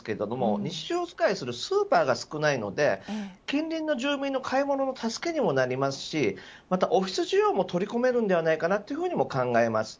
日常使いするスーパーが少ないので近隣の住民の買い物の助けにもなりますしオフィス需要も取り込めると思います。